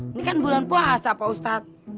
ini kan bulan puasa pak ustadz